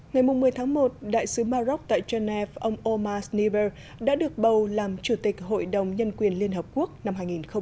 ngày một mươi tháng một đại sứ maroc tại geneva ông omar snever đã được bầu làm chủ tịch hội đồng nhân quyền liên hợp quốc năm hai nghìn hai mươi bốn